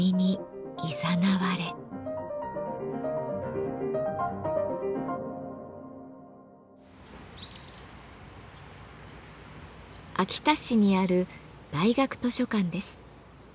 秋田市にある大学図書館です。